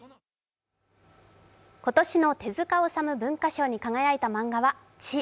今年の手塚治虫文化賞に輝いた漫画は「チ」。